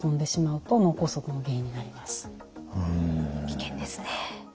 危険ですね。